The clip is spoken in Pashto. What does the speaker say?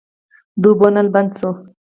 د اوبو نل بند شوی و.